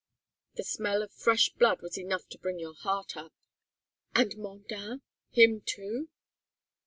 The smell of fresh blood was enough to bring your heart up." "And Mondain him, too?"